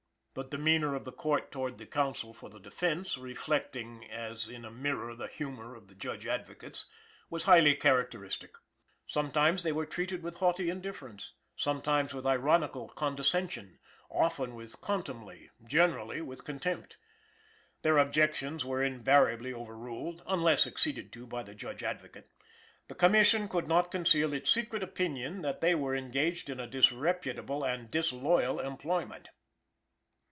The demeanor of the Court towards the counsel for the defense, reflecting as in a mirror the humor of the Judge Advocates, was highly characteristic. Sometimes they were treated with haughty indifference, sometimes with ironical condescension, often with contumely, generally with contempt. Their objections were invariably overruled, unless acceded to by the Judge Advocate. The Commission could not conceal its secret opinion that they were engaged in a disreputable and disloyal employment.